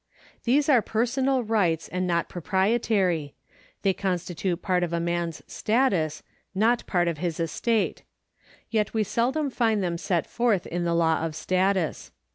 These are personal rights and not pro prietary ; they constitute part of a man's status, not part of his estate ; yet we seldom find them set forth in the law of status.